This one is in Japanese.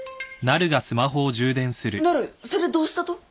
なるそれどうしたと？